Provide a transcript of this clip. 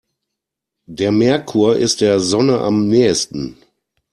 Der Merkur ist der Sonne am nähesten.